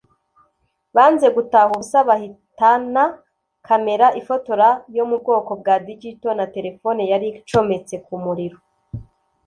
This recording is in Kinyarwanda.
Banze gutaha ubusa bahitana kamera ifotora yo mu bwoko bwa digital na terefone yari icometse ku muriro